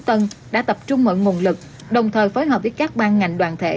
trung tâm y tế tân đã tập trung mở nguồn lực đồng thời phối hợp với các bang ngành đoàn thể